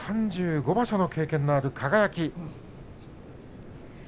３５場所の経験がある輝。